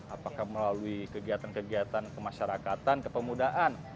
apakah melalui kegiatan kegiatan kemasyarakatan kepemudaan